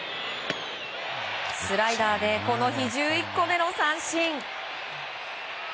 スライダーでこの日、１１個目の三振。